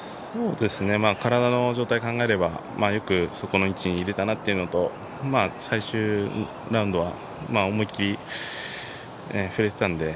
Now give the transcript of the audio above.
体の状態考えればよくそこの位置にいれたなというところと、最終ラウンドは思いっきり振れてたんで。